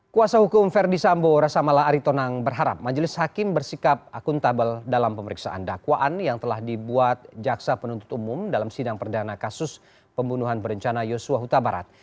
kuasa hukum verdi sambo rasamala aritonang berharap majelis hakim bersikap akuntabel dalam pemeriksaan dakwaan yang telah dibuat jaksa penuntut umum dalam sidang perdana kasus pembunuhan berencana yosua huta barat